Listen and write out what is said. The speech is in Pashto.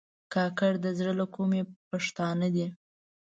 کاکړ د زړه له کومي پښتانه دي.